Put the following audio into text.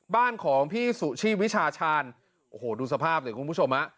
บ้านของพี่สุชีพวิชาชาญโอ้โหดูสภาพสิคุณผู้ชมฮะ